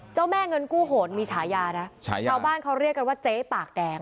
เจ้าแม่เงินกู้โหดมีฉายานะชาวบ้านเขาเรียกกันว่าเจ๊ปากแดง